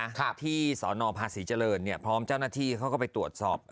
ดึกเลยนะคะที่สอนอพาศรีเจริญเนี่ยพร้อมเจ้าหน้าที่เขาก็ไปตรวจสอบ